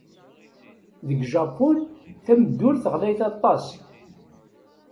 Deg Japun, tameddurt ɣlayet aṭas.